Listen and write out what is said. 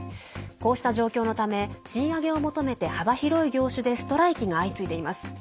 こうした状況のため賃上げを求めて幅広い業種でストライキが相次いでいます。